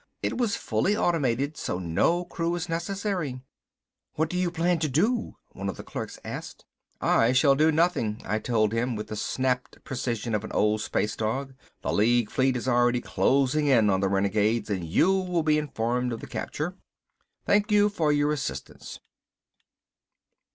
It was fully automated so no crew is necessary." "What do you plan to do?" one of the clerks asked. "I shall do nothing," I told him, with the snapped precision of an old space dog. "The League fleet is already closing in on the renegades and you will be informed of the capture. Thank you for your assistance."